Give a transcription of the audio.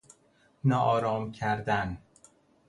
ناآرام کردن